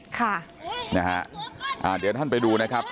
ค่ะนะฮะเดี๋ยวท่านไปดูนะครับ